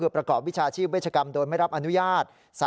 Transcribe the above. ประกอบวิชาชีพเวชกรรมโดยไม่รับอนุญาต